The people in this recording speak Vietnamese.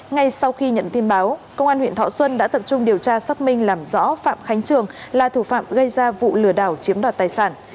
ngay sau khi nhận tin báo công an huyện thọ xuân đã tập trung điều tra xác minh làm rõ phạm khánh trường là thủ phạm gây ra vụ lừa đảo chiếm đoạt tài sản